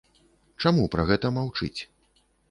Чаму пра гэта маўчыць?